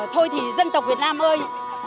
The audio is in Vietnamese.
thôi thì dân tộc việt nam ơi